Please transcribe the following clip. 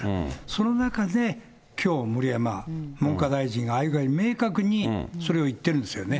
その中で、きょう、盛山文科大臣が、ああいう具合に明確にそれを言っているんですよね。